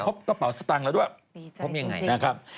กระเป๋าสตางค์แล้วด้วยพบยังไงนะครับ